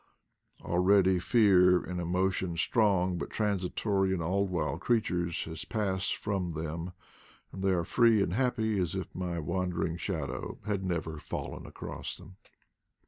Already fear, and emo tion strong but transitory in all wild creatures, has passed from them, and they are free and happy as if my wandering shadow had never fallen across them.